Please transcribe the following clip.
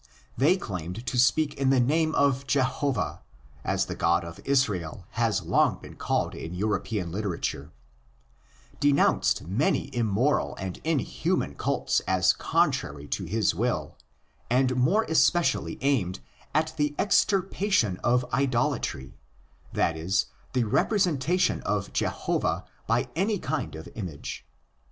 They claimed to speak in the name of Jehovah (as the God of Israel has long been called in European literature) ; denounced many immoral and inhuman cults as contrary to his will; and more especially aimed at the extirpation of '' idolatry ''—that is, the represen tation of Jehovah by any kind of image.